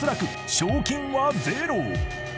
賞金はゼロ］